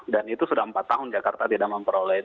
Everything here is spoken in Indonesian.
itu sudah empat tahun jakarta tidak memperoleh